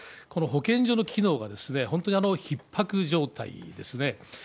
この保健所の機能が、本当にひっ迫状態ですね。